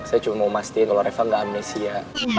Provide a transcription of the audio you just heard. saya cuma mau mastiin kalau reva nggak amnesia